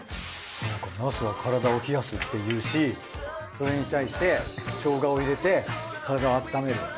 そうかナスは体を冷やすっていうしそれに対してしょうがを入れて体をあっためる。